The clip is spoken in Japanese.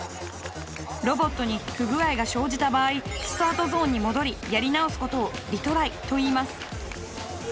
ロボットに不具合が生じた場合スタートゾーンに戻りやり直すことをリトライといいます。